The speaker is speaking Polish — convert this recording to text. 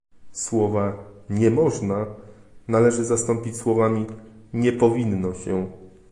Słowa "nie można" należy zastąpić słowami "nie powinno się"